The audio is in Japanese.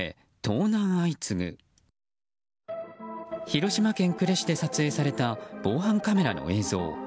広島県呉市で撮影された防犯カメラの映像。